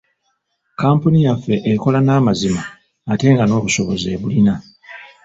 Kkampuni yaffe ekola na mazima ate nga n’obusobozi ebulina.